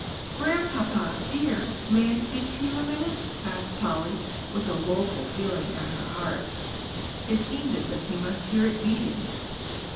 "Grandpapa, dear, may I speak to you a minute?" asked Polly, with a woful feeling at her heart. It seemed as if he must hear it beating.